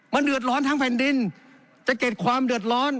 มันเดือดร้อนทั้งแผ่นดินจะเกิดความเดือดร้อน